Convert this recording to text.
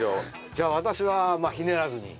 じゃあ私はひねらずに。